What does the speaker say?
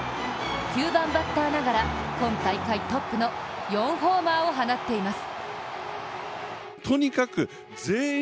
９番バッターながら、今大会トップの４ホーマーを放っています。